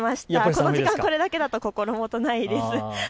この時間、これだけだと心もとないです。